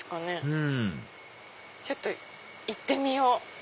うんちょっと行ってみよう。